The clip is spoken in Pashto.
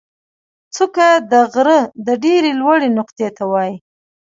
څوکه د غره د ډېرې لوړې نقطې ته وایي.